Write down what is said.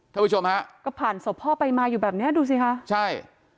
ท่านผู้ชมฮะก็ผ่านศพพ่อไปมาอยู่แบบเนี้ยดูสิคะใช่